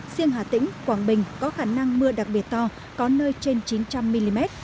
riêng hà tĩnh quảng bình có khả năng mưa đặc biệt to có nơi trên chín trăm linh mm